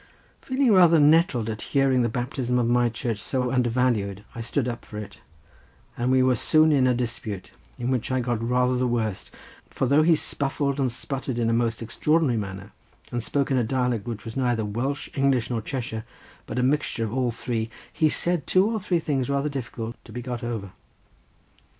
Feeling rather nettled at hearing the baptism of my church so undervalued, I stood up for it, and we were soon in a dispute, in which I got rather the worst, for though he spuffled and sputtered in a most extraordinary manner, and spoke in a dialect which was neither Welsh, English, nor Cheshire, but a mixture of all three, he said two or three things rather difficult to be got over.